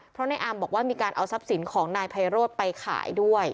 เพราะในอามบอกว่ามีการเอาทรัพย์สินของนายไพโรธไปขายด้วย